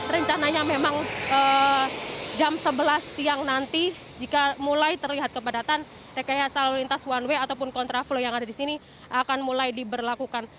rencananya memang jam sebelas siang nanti jika mulai terlihat kepadatan rekayasa lalu lintas one way ataupun kontra flow yang ada di sini akan mulai diberlakukan